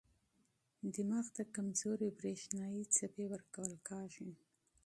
دماغ ته کمزورې برېښنايي څپې ورکول کېږي.